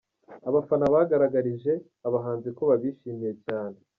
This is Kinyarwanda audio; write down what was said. Abafana bagaragarije abahanzi ko babishimiye cyane.